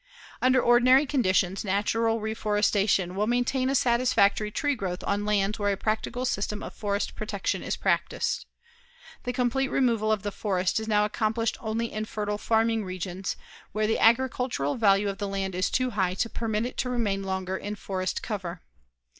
Under ordinary conditions, natural reforestation will maintain a satisfactory tree growth on lands where a practical system of forest protection is practiced. The complete removal of the forest is now accomplished only in fertile farming regions, where the agricultural value of the land is too high to permit it to remain longer in forest cover.